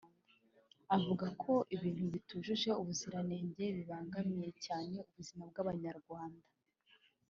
avuga ko ibintu bitujuje ubuziranenge bibangamiye cyane ubuzima bw’Abanyarwanda